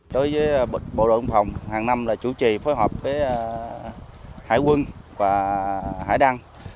đối với bộ động phòng hàng năm là chủ trì phối hợp với hải quân và hải đăng